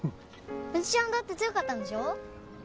おじちゃんだって強かったんでしょ？